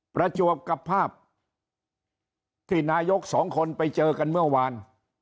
ประจวบกับภาพที่นายกสองคนไปเจอกันเมื่อวาน